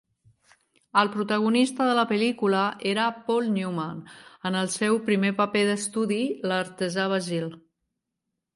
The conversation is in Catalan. El protagonista de la pel·lícula era Paul Newman, en el seu primer paper d'estudi, l'artesà Basil.